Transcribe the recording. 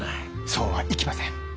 そうはいきません。